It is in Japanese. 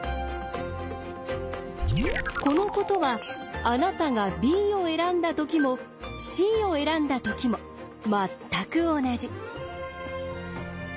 このことはあなたがＢを選んだときもＣを選んだときも全く同じ。